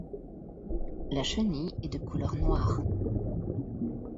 La chenille est de couleur noire.